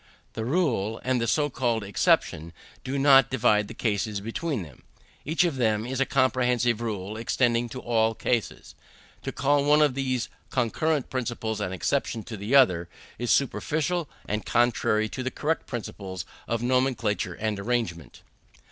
The rule, and the so called exception, do not divide the cases between them; each of them is a comprehensive rule extending to all cases. To call one of these concurrent principles an exception to the other, is superficial, and contrary to the correct principles of nomenclature and arrangement.